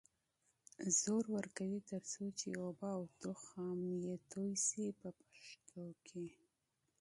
فشار ورکوي تر څو چې اوبه او تخم یې توی شي په پښتو کې.